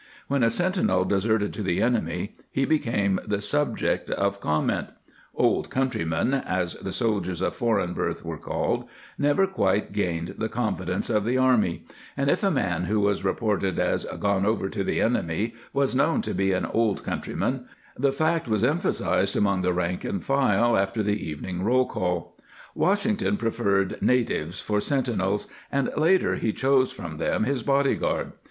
When a sentinel deserted to the enemy he became the subject of comment ;" old countrymen," as the soldiers of foreign birth were called, never quite gained the confidence of the army, and if a man who was reported as " gone over to the enemy " was known to be an old countryman the fact was emphasized among the rank and file after the evening roll call.* Washington preferred " natives " for sentinels, and later he chose from them his body guard.